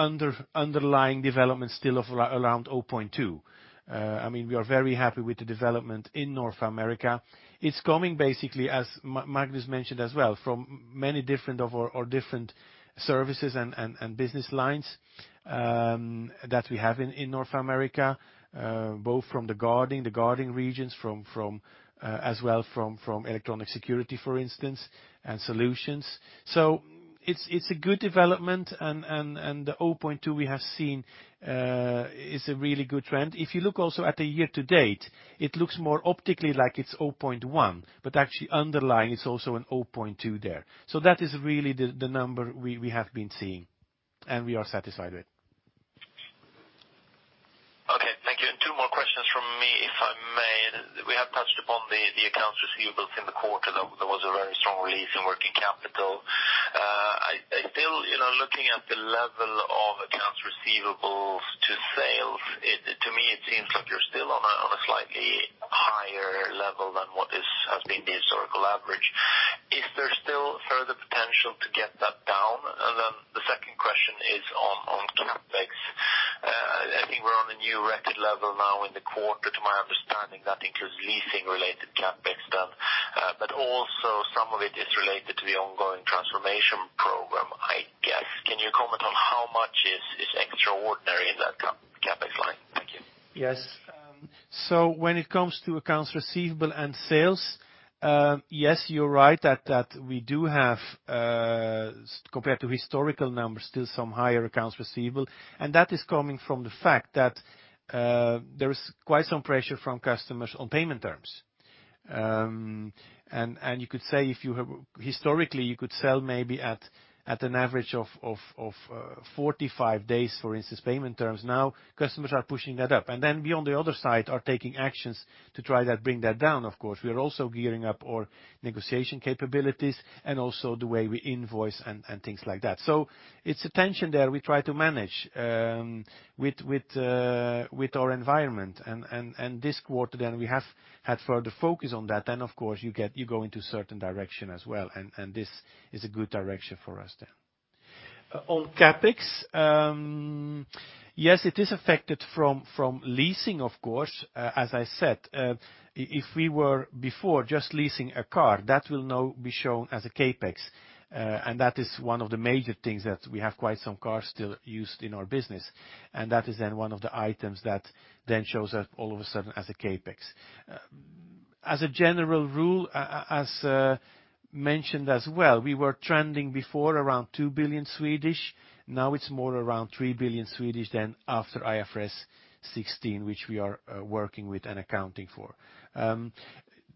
underlying development still of around 0.2. We are very happy with the development in North America. It's coming basically, as Magnus mentioned as well, from many different services and business lines that we have in North America, both from the guarding regions as well from Electronic Security, for instance, and Solutions. It's a good development, and the 0.2 we have seen is a really good trend. If you look also at the year to date, it looks more optically like it's 0.1, but actually underlying, it's also an 0.2 there. That is really the number we have been seeing, and we are satisfied with. Okay. Thank you. Two more questions from me, if I may. We have touched upon the accounts receivables in the quarter. There was a very strong release in working capital. Still looking at the level of accounts receivables to sales, to me, it seems like you're still on a slightly higher level than what has been the historical average. Is there still further potential to get that down? The second question is on CapEx. I think we're on a new record level now in the quarter, to my understanding. That includes leasing related CapEx done, but also some of it is related to the ongoing transformation program, I guess. Can you comment on how much is extraordinary in that CapEx line? Thank you. Yes. When it comes to accounts receivable and sales, yes, you're right that we do have, compared to historical numbers, still some higher accounts receivable, and that is coming from the fact that there is quite some pressure from customers on payment terms. You could say historically, you could sell maybe at an average of 45 days, for instance, payment terms. Now customers are pushing that up, and then we on the other side are taking actions to try to bring that down, of course. We are also gearing up our negotiation capabilities and also the way we invoice and things like that. It's a tension there we try to manage with our environment. This quarter then we have had further focus on that. Of course, you go into a certain direction as well, and this is a good direction for us then. On CapEx, yes, it is affected from leasing, of course. As I said, if we were before just leasing a car, that will now be shown as a CapEx. That is one of the major things that we have quite some cars still used in our business, and that is then one of the items that then shows up all of a sudden as a CapEx. As a general rule, as mentioned as well, we were trending before around 2 billion. Now it's more around 3 billion after IFRS 16, which we are working with and accounting for.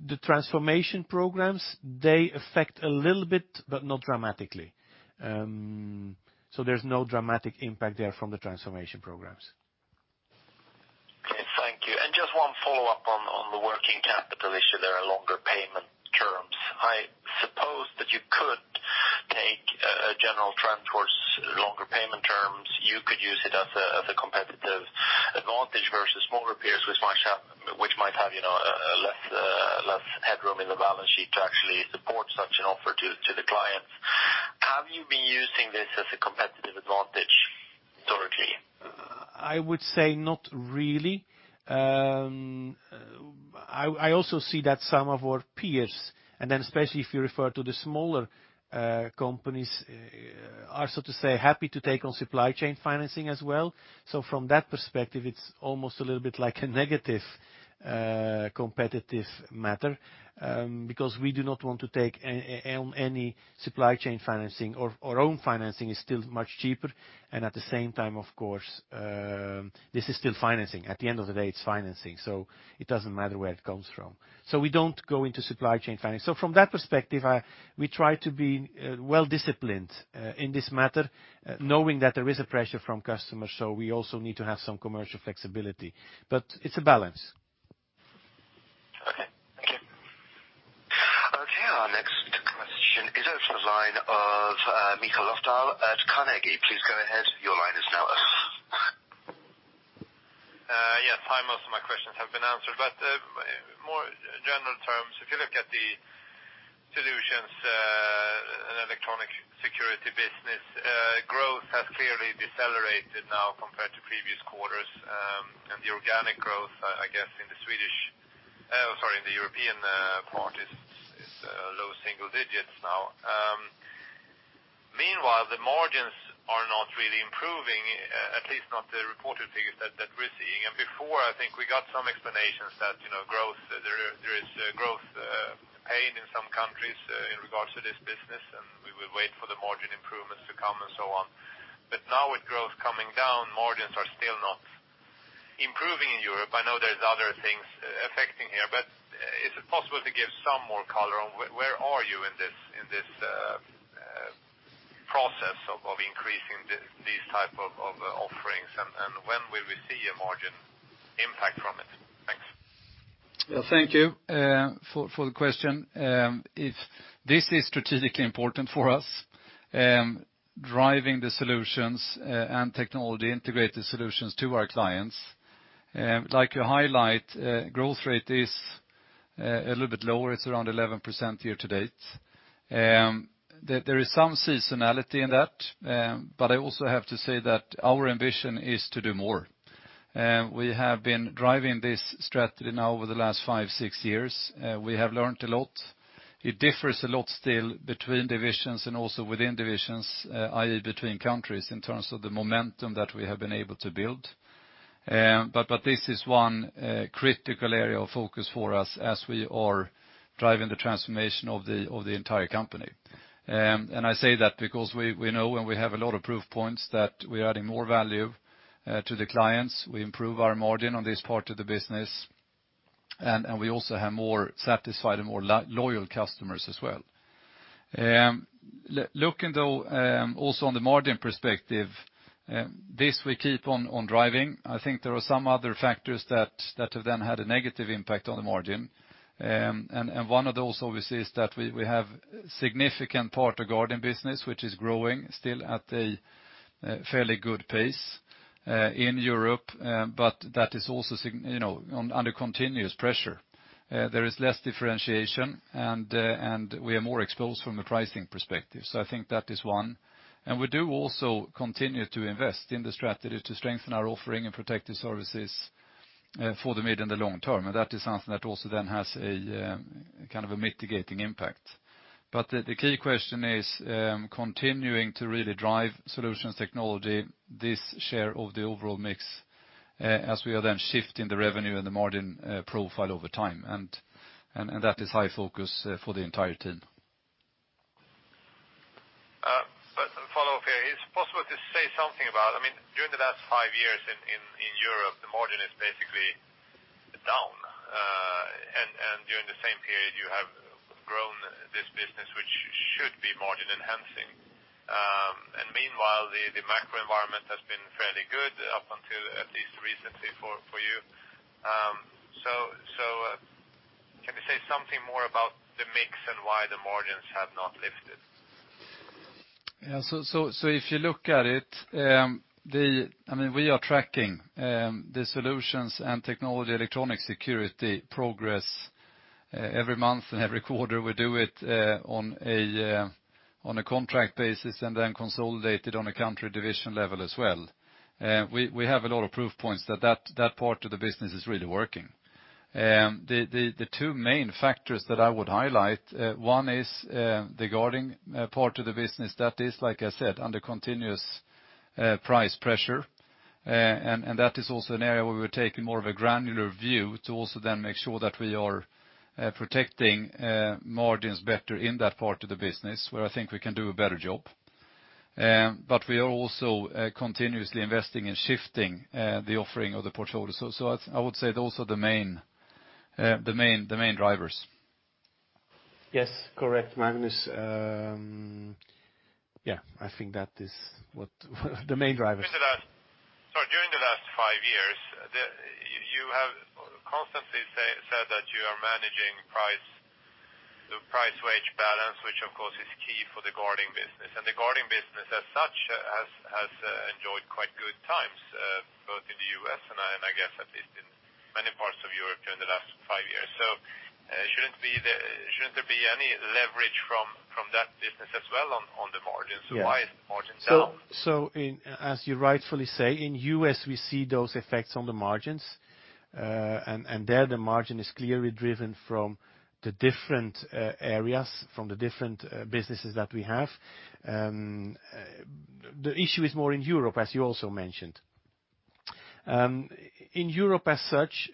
The transformation programs, they affect a little bit, but not dramatically. There's no dramatic impact there from the transformation programs. Okay, thank you. Just one follow-up on the working capital issue. There are longer payment terms. I suppose that you could take a general trend towards longer payment terms. You could use it as a competitive advantage versus smaller peers which might have less headroom in the balance sheet to actually support such an offer to the clients. Have you been using this as a competitive advantage, Torger? I would say not really. I also see that some of our peers, and then especially if you refer to the smaller companies, are, so to say, happy to take on supply chain financing as well. From that perspective, it's almost a little bit like a negative competitive matter, because we do not want to take on any supply chain financing. Our own financing is still much cheaper, and at the same time, of course, this is still financing. At the end of the day, it's financing. It doesn't matter where it comes from. We don't go into supply chain financing. From that perspective, we try to be well-disciplined in this matter, knowing that there is a pressure from customers, so we also need to have some commercial flexibility. It's a balance. Okay. Thank you. Our next question is at the line of Mikael Löfdahl at Carnegie. Please go ahead. Your line is now open. Yes. Hi, most of my questions have been answered. In more general terms, if you look at the Security Solutions and Electronic Security business, growth has clearly decelerated now compared to previous quarters, and the organic growth, I guess, in the European part is low single digits now. Meanwhile, the margins are not really improving, at least not the reported figures that we're seeing. Before, I think we got some explanations that there is growth pain in some countries in regards to this business, and we will wait for the margin improvements to come and so on. Now with growth coming down, margins are still not improving in Europe. I know there's other things affecting here, but is it possible to give some more color on where are you in this process of increasing these type of offerings, and when will we see a margin impact from it? Thanks. Well, thank you for the question. This is strategically important for us, driving the solutions and technology integrated solutions to our clients. Like you highlight, growth rate is a little bit lower. It's around 11% year to date. There is some seasonality in that, but I also have to say that our ambition is to do more. We have been driving this strategy now over the last five, six years. We have learned a lot. It differs a lot still between divisions and also within divisions, i.e., between countries in terms of the momentum that we have been able to build. This is one critical area of focus for us as we are driving the transformation of the entire company. I say that because we know and we have a lot of proof points that we're adding more value to the clients. We improve our margin on this part of the business, and we also have more satisfied and more loyal customers as well. Looking though also on the margin perspective, this we keep on driving. I think there are some other factors that have then had a negative impact on the margin. One of those obviously is that we have significant part of guarding business, which is growing still at a fairly good pace in Europe, but that is also under continuous pressure. There is less differentiation, and we are more exposed from a pricing perspective. I think that is one. We do also continue to invest in the strategy to strengthen our offering and protective services for the mid and the long term. That is something that also then has a kind of a mitigating impact. The key question is continuing to really drive solutions technology, this share of the overall mix as we are then shifting the revenue and the margin profile over time, and that is high focus for the entire team. A follow-up here. Is it possible to say something about during the last five years in Europe, the margin is basically down. During the same period, you have grown this business, which should be margin enhancing. Meanwhile, the macro environment has been fairly good up until at least recently for you. Can you say something more about the mix and why the margins have not lifted? Yeah. If you look at it, we are tracking the Security Solutions and Electronic Security progress every month and every quarter. We do it on a contract basis and consolidate it on a country division level as well. We have a lot of proof points that part of the business is really working. The two main factors that I would highlight, one is the guarding part of the business that is, like I said, under continuous price pressure. That is also an area where we're taking more of a granular view to also make sure that we are protecting margins better in that part of the business where I think we can do a better job. We are also continuously investing in shifting the offering of the portfolio. I would say those are the main drivers. Yes, correct, Magnus. I think that is what the main driver is. Sorry, during the last five years, you have constantly said that you are managing the price wage balance, which of course is key for the guarding business. The guarding business as such has enjoyed quite good times, both in the U.S. and I guess at least in many parts of Europe during the last five years. Shouldn't there be any leverage from that business as well on the margins? Yeah. Why is the margin down? As you rightfully say, in U.S., we see those effects on the margins. There the margin is clearly driven from the different areas, from the different businesses that we have. The issue is more in Europe, as you also mentioned. In Europe as such,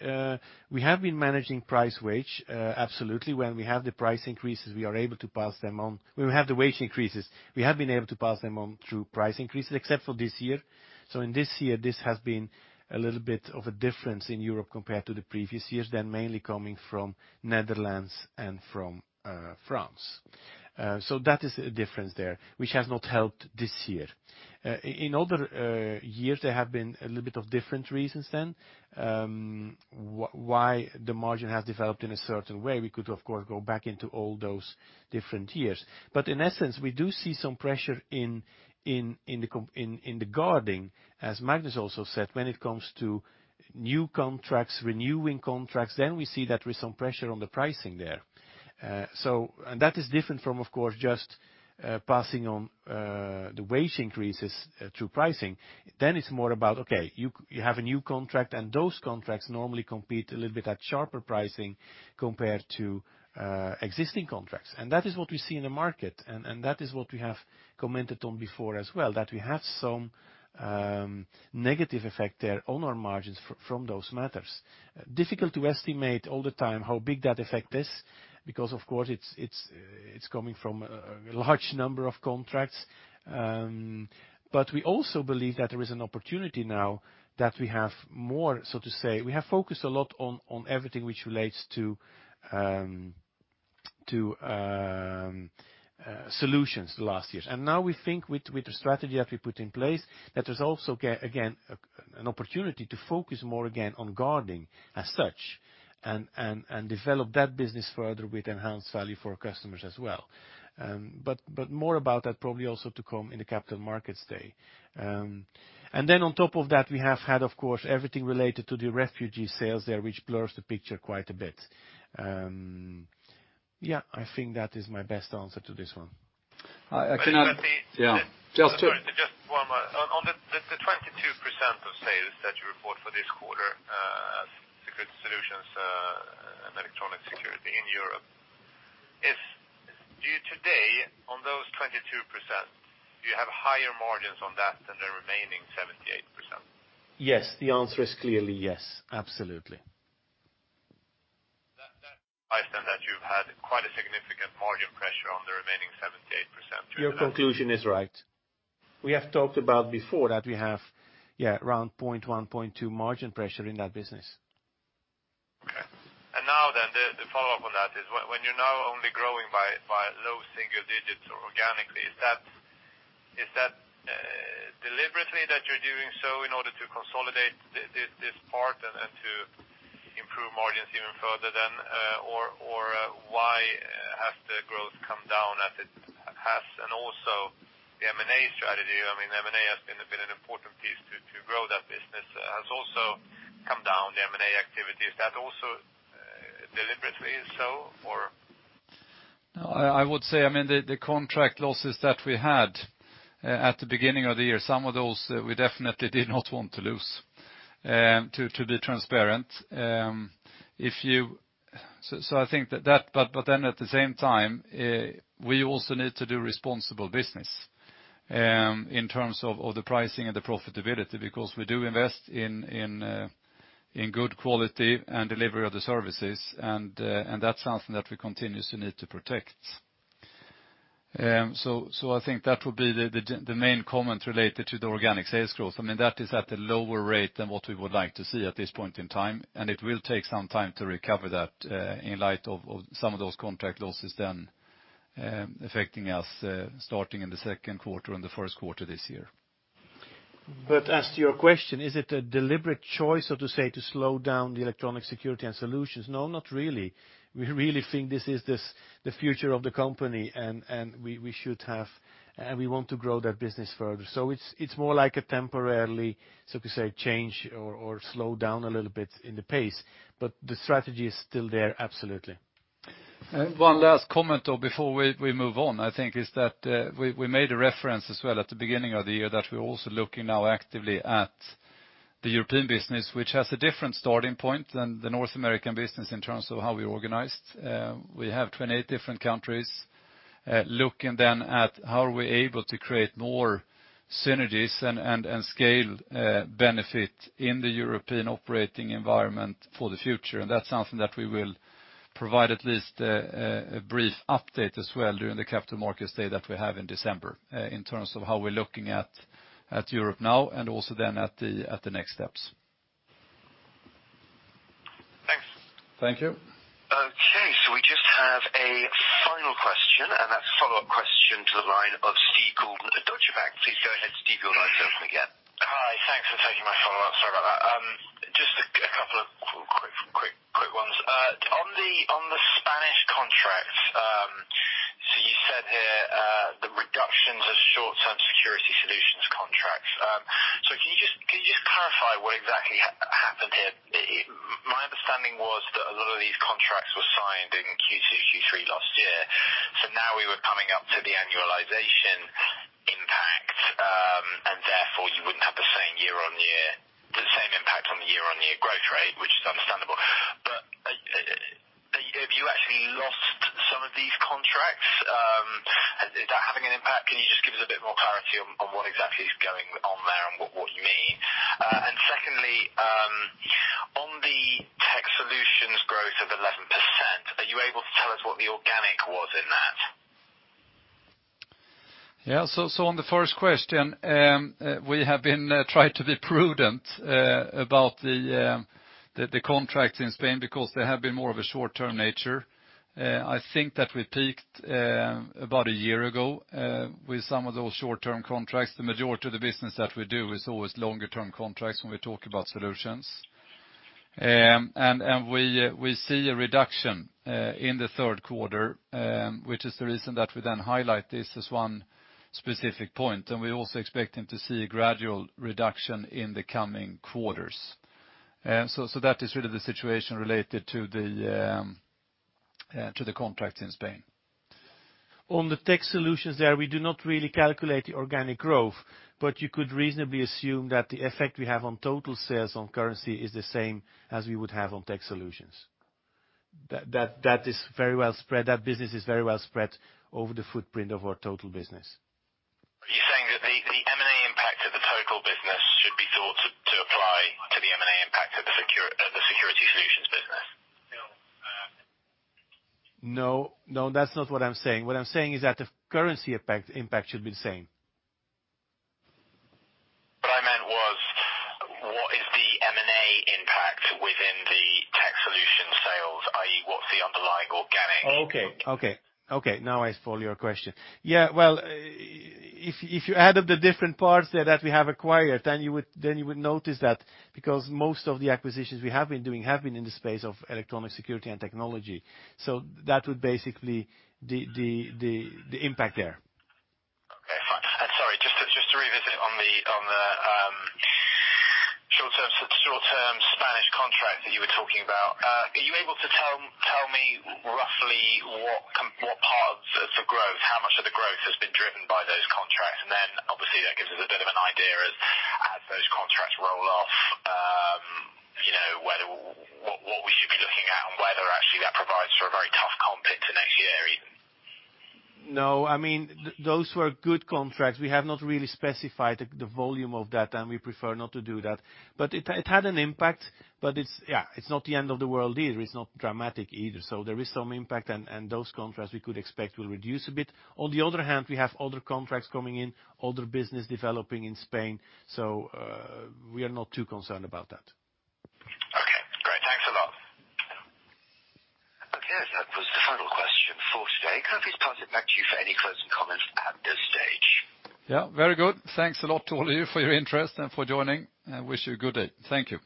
we have been managing price wage, absolutely. When we have the price increases, we are able to pass them on. When we have the wage increases, we have been able to pass them on through price increases, except for this year. In this year, this has been a little bit of a difference in Europe compared to the previous years, then mainly coming from Netherlands and from France. That is a difference there, which has not helped this year. In other years, there have been a little bit of different reasons then why the margin has developed in a certain way. We could, of course, go back into all those different years. In essence, we do see some pressure in the guarding, as Magnus also said, when it comes to new contracts, renewing contracts, then we see that there is some pressure on the pricing there. That is different from, of course, just passing on the wage increases through pricing. It's more about, okay, you have a new contract, and those contracts normally compete a little bit at sharper pricing compared to existing contracts. That is what we see in the market, and that is what we have commented on before as well, that we have some negative effect there on our margins from those matters. Difficult to estimate all the time how big that effect is, because of course it's coming from a large number of contracts. We also believe that there is an opportunity now that we have more so to say. We have focused a lot on everything which relates to solutions the last years. Now we think with the strategy that we put in place, that there's also again, an opportunity to focus more again on guarding as such and develop that business further with enhanced value for our customers as well. More about that probably also to come in the capital markets day. On top of that, we have had, of course, everything related to the refugee sales there, which blurs the picture quite a bit. I think that is my best answer to this one. Yeah. Sorry, just one more. On the 22% of sales that you report for this quarter, Security Solutions and Electronic Security in Europe, do you today, on those 22%, have higher margins on that than the remaining 78%? Yes, the answer is clearly yes, absolutely. That implies then that you've had quite a significant margin pressure on the remaining 78%. Your conclusion is right. We have talked about before that we have around 0.1%, 0.2% margin pressure in that business. Okay. The follow-up on that is when you're now only growing by low single digits or organically, is that deliberately that you're doing so in order to consolidate this part and to improve margins even further then? Why has the growth come down as it has? Also the M&A strategy, M&A has been a bit an important piece to grow that business, has also come down the M&A activity. Is that also deliberately so or? I would say, the contract losses that we had at the beginning of the year, some of those we definitely did not want to lose, to be transparent. I think that, at the same time, we also need to do responsible business in terms of the pricing and the profitability, because we do invest in good quality and delivery of the services, and that's something that we continuously need to protect. I think that will be the main comment related to the organic sales growth. That is at a lower rate than what we would like to see at this point in time, and it will take some time to recover that in light of some of those contract losses then affecting us starting in the second quarter and the first quarter this year. As to your question, is it a deliberate choice, so to say, to slow down the Electronic Security and Solutions? No, not really. We really think this is the future of the company, and we want to grow that business further. It's more like a temporarily, so to say, change or slow down a little bit in the pace, but the strategy is still there, absolutely. One last comment, though, before we move on, I think is that we made a reference as well at the beginning of the year that we're also looking now actively at the European business, which has a different starting point than the North American business in terms of how we organized. We have 28 different countries. Looking then at how are we able to create more synergies and scale benefit in the European operating environment for the future, and that's something that we will provide at least a brief update as well during the capital markets day that we have in December, in terms of how we're looking at Europe now and also then at the next steps. Thanks. Thank you. Okay. We just have a final question, and that's a follow-up question to the line of Steven Goulden at Deutsche Bank. Please go ahead, Steve, your line's open again. Hi. Thanks for taking my follow-up. Sorry about that. Just a couple of quick ones. On the Spanish contracts, you said here the reductions are short-term security solutions contracts. Can you just clarify what exactly happened here? My understanding was that a lot of these contracts were signed in Q2, Q3 last year. Now we were coming up to the annualization impact, and therefore you wouldn't have the same impact on the year-on-year growth rate, which is understandable. Have you actually lost some of these contracts? Is that having an impact? Can you just give us a bit more clarity on what exactly is going on there and what you mean? Secondly, on the tech solutions growth of 11%, are you able to tell us what the organic was in that? On the first question, we have tried to be prudent about the contracts in Spain because they have been more of a short-term nature. I think that we peaked about a year ago with some of those short-term contracts. The majority of the business that we do is always longer-term contracts when we talk about solutions. We see a reduction in the third quarter, which is the reason that we then highlight this as one specific point, we're also expecting to see a gradual reduction in the coming quarters. That is really the situation related to the contracts in Spain. On the tech solutions there, we do not really calculate the organic growth, but you could reasonably assume that the effect we have on total sales on currency is the same as we would have on tech solutions. That business is very well spread over the footprint of our total business. Are you saying that the M&A impact of the total business should be thought to apply to the M&A impact of the security solutions business? No, that's not what I'm saying. What I'm saying is that the currency impact should be the same. What I meant was what is the M&A impact within the tech solution sales, i.e., what's the underlying organic? Okay. I follow your question. Yeah. Well, if you add up the different parts there that we have acquired, then you would notice that because most of the acquisitions we have been doing have been in the space of electronic security and technology. That would basically be the impact there. Okay, fine. Sorry, just to revisit on the short-term Spanish contract that you were talking about, are you able to tell me roughly what parts of the growth, how much of the growth has been driven by those contracts? Obviously that gives us a bit of an idea as those contracts roll off, what we should be looking at and whether actually that provides for a very tough comp period to next year even. No, those were good contracts. We have not really specified the volume of that, and we prefer not to do that. It had an impact. It's not the end of the world either. It's not dramatic either. There is some impact, and those contracts we could expect will reduce a bit. On the other hand, we have other contracts coming in, other business developing in Spain. We are not too concerned about that. Okay, great. Thanks a lot. Okay, that was the final question for today. Can I please pass it back to you for any closing comments at this stage? Yeah, very good. Thanks a lot to all of you for your interest and for joining. I wish you a good day. Thank you.